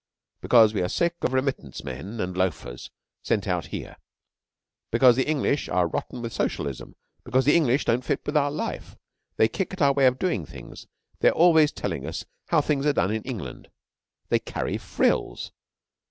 Because we are sick of Remittance men and loafers sent out here. Because the English are rotten with Socialism. Because the English don't fit with our life. They kick at our way of doing things. They are always telling us how things are done in England. They carry frills!